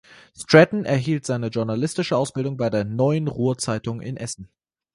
Straten erhielt seine journalistische Ausbildung bei der "Neuen Ruhr Zeitung" in Essen.